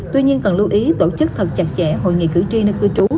tuy nhiên cần lưu ý tổ chức thật chặt chẽ hội nghị cử tri nơi cư trú